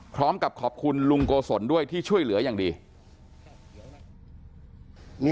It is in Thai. พร้อมกับขอบคุณลุงโกศลด้วยที่ช่วยเหลืออย่างดี